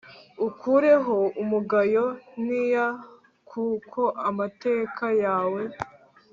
Unkureho umugayo ntinya Kuko amateka yawe